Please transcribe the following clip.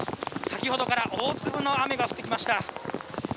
先ほどから大粒の雨が降ってきました。